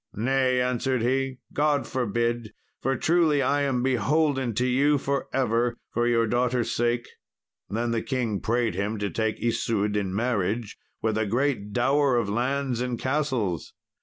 "Nay," answered he, "God forbid, for truly am I beholden to you for ever for your daughter's sake." Then the king prayed him to take Isoude in marriage, with a great dower of lands and castles.